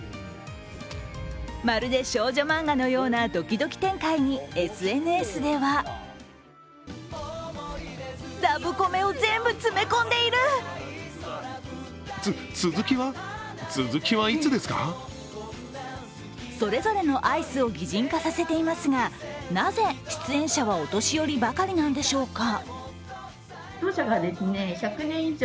まるで少女漫画のようなドキドキ展開にＳＮＳではそれぞれのアイスを擬人化させていますがなぜ出演者はお年寄りばかりなんでしょうか。